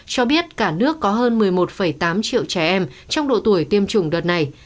cho biết cả nước có hơn một mươi một tám triệu trẻ em trong độ tuổi tiêm chủng đợt này